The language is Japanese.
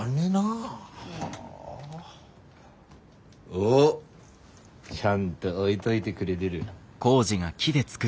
おっちゃんと置いどいでくれでる。